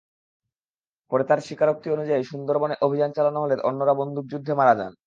পরে তাঁর স্বীকারোক্তি অনুযায়ী সুন্দরবনে অভিযান চালানো হলে অন্যরা বন্দুকযুদ্ধে মারা যান।